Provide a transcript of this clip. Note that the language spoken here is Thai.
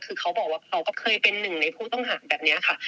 คือเขาบอกว่าเขาก็เคยเป็นหนึ่งในผู้ต้องหาแบบนี้ค่ะ